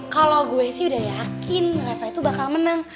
kalau gue sih udah yakin mereka itu bakal menang